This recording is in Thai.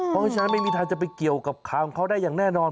เพราะฉะนั้นไม่มีทางจะไปเกี่ยวกับข่าวของเขาได้อย่างแน่นอน